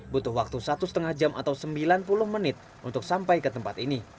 butuh waktu satu lima jam atau sembilan puluh menit untuk sampai ke tempat ini